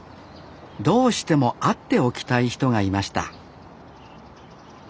どうしても会っておきたい人がいました